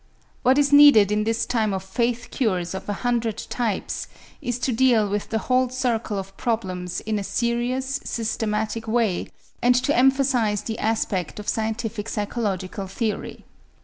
What is needed in this time of faith cures of a hundred types is to deal with the whole circle of problems in a serious, systematic way and to emphasize the aspect of scientific psychological theory.